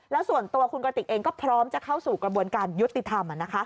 แล้วส่วนตัวคุณกระติกเองก็พร้อมจะเข้าสู่กระบวนการยุติธรรม